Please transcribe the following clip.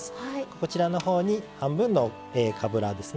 こちらのほうに半分のかぶらですね。